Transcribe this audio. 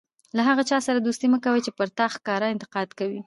له هغه چا سره دوستي مه کوئ! چي پر تا ښکاره انتقاد کوي.